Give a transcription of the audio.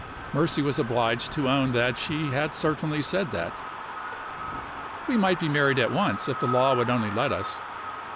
Mercy was obliged to own that she had certainly said that. "We might be married at once if the law would only let us.